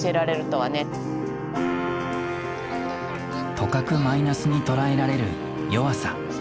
とかくマイナスに捉えられる「弱さ」。